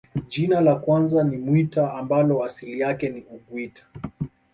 Jina la kwanza ni Mwita ambalo asili yake ni uguita